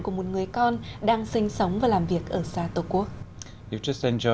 của một người con đang sinh sống